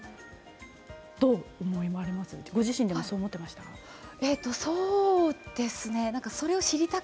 どう思われますか、ご自身でもそう思っていましたか。